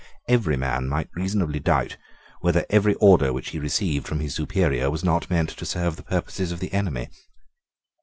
Every man might reasonably doubt whether every order which he received from his superior was not meant to serve the purposes of the enemy.